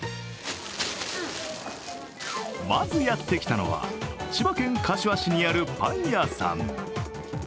まずやってきたのは、千葉県柏市にあるパン屋さん。